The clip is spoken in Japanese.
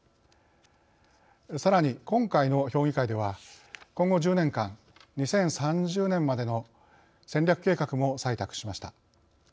さらに今回の評議会では今後１０年間２０３０年までの戦略計画も採択しました。